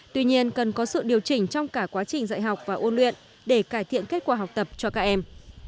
tuy nhiên cần có sự điều chỉnh trong cả quá trình dạy học và ôn luyện để cải thiện kết quả học tập cho các em